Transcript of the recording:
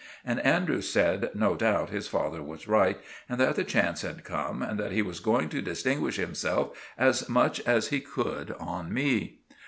And Andrews said no doubt his father was right, and that the chance had come and that he was going to distinguish himself as much as he could on me.